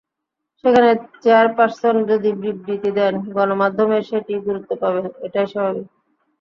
সেখানে চেয়ারপারসন যদি বিবৃতি দেন, গণমাধ্যমে সেটিই গুরুত্ব পাবে, এটাই স্বাভাবিক।